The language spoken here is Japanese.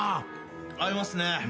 合いますね。